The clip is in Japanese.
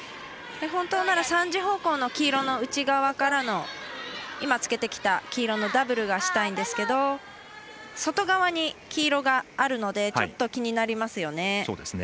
本当なら３時方向の黄色の内側からの今つけてきた黄色のダブルがしたいんですが外側に黄色があるのでちょっと気になりますよね。